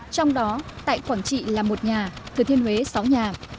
trong đó tại quảng trị là một nhà thừa thiên huế sáu nhà